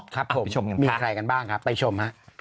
ครับผมมีใครกันบ้างครับไปชมฮะ